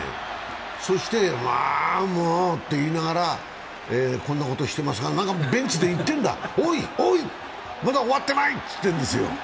そして、まぁもうって言いながらこんなことしてますが、ベンチで何か言ってんだ、おい、まだ終わってないって。